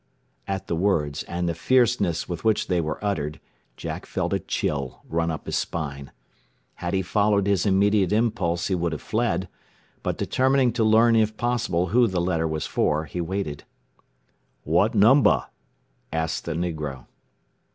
At the words, and the fierceness with which they were uttered, Jack felt a chill run up his spine. Had he followed his immediate impulse he would have fled. But determining to learn if possible who the letter was for, he waited. "What numbah?" asked the negro.